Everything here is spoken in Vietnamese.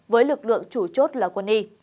với lực lượng chủ chốt là quân y